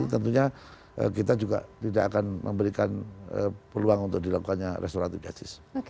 tentunya kita juga tidak akan memberikan peluang untuk dilakukannya restoratif justice